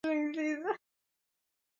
Tasema tena nini pale weye usha sema